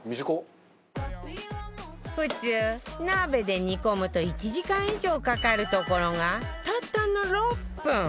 普通鍋で煮込むと１時間以上かかるところが